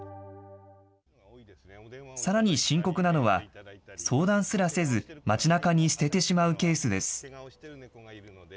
さらに深刻なのは、相談すらせず、街なかに捨ててしまうケースです。